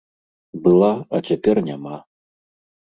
Была, а цяпер няма.